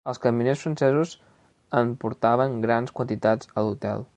Els camioners francesos en portaven grans quantitats a l'hotel